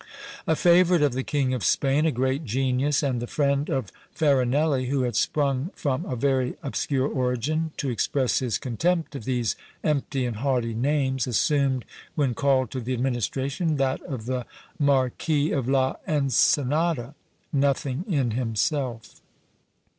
A favourite of the King of Spain, a great genius, and the friend of Farinelli, who had sprung from a very obscure origin, to express his contempt of these empty and haughty names assumed, when called to the administration, that of the Marquis of La Ensenada (nothing in himself).